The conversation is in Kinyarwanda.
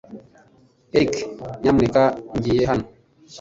Eric, nyamuneka, ngiye hano.